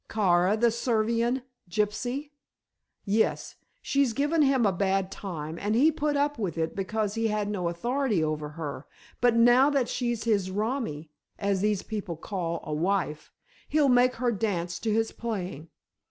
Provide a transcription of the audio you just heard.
"Kara, the Servian gypsy?" "Yes. She's given him a bad time, and he put up with it because he had no authority over her; but now that she's his romi as these people call a wife he'll make her dance to his playing.